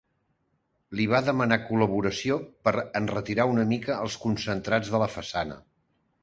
Li va demanar col·laboració per enretirar una mica els concentrats de la façana.